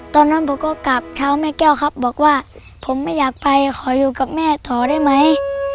ตอนนั้นผมก็กราบเท้าแม่แก้วครับบอกว่าผมไม่อยากไปขออยู่กับแม่ต่อได้ไหม